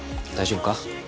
大丈夫か？